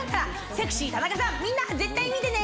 『セクシー田中さん』みんな絶対見てね！